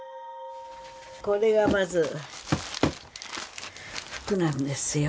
これがまず服なんですよ。